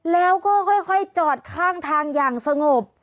แล้วก็ค่อยจอดข้างทางอย่างสงบ